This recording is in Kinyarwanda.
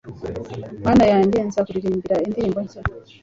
Mana yanjye nzakuririmbira indirimbo nshya